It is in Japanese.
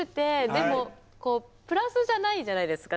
でも、こうプラスじゃないじゃないですか。